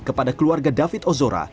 kepada keluarga david ozora